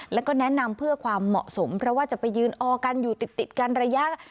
แล้วก็แนะนำเพื่อความเหมาะสมเพราะว่าจะไปยืนออกันอยู่ติดกันระยะ